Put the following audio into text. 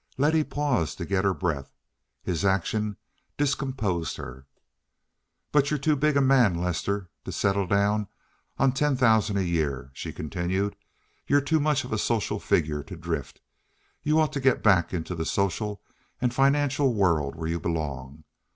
Letty paused to get her breath. His action discomposed her. "But you're too big a man, Lester, to settle down on ten thousand a year," she continued. "You're too much of a social figure to drift. You ought to get back into the social and financial world where you belong.